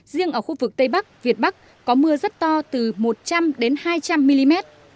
riêng ở khu vực tây bắc việt bắc có mưa rất to từ một trăm linh đến hai trăm linh mm